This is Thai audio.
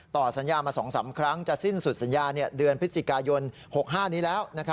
ต่อสัญญามา๒๓ครั้งจะสิ้นสุดสัญญาเดือนพฤศจิกายน๖๕นี้แล้ว